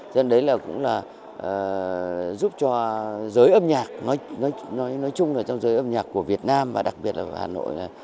cho nên đấy là cũng là giúp cho giới âm nhạc nói chung là trong giới âm nhạc của việt nam và đặc biệt là hà nội